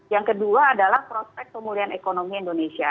yang kedua adalah prospek pemulihan ekonomi indonesia